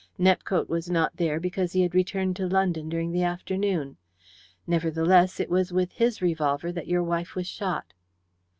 Nepcote was not there because he had returned to London during the afternoon. Nevertheless, it was with his revolver that your wife was shot."